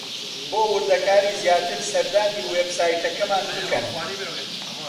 بۆ وردەکاریی زیاتر سەردانی وێبسایتەکەمان بکەن.